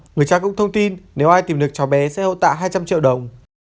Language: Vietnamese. người trai cũng thông tin nếu ai tìm được cháu bé sẽ hỗ tạ hai trăm linh triệu đồng